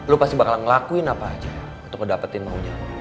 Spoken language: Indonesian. lo pasti bakalan ngelakuin apa aja untuk ngedapetin maunya